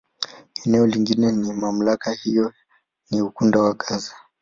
Eneo lingine la MamlakA hiyo ni Ukanda wa Gaza.